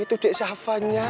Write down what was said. itu dek syafanya